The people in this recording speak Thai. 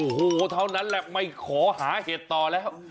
โอ้โหเท่านั้นแหละไม่ขอหาเห็ดต่อแล้ว